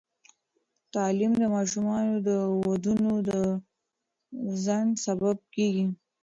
تعلیم د ماشومانو د ودونو د ځنډ سبب کېږي.